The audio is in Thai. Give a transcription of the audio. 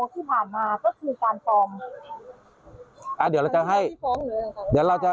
ทำกับเราที่ผ่านมาก็คือการฟอร์ม